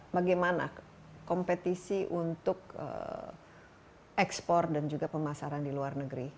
bagaimana kompetisi untuk ekspor dan juga pemasaran di luar negeri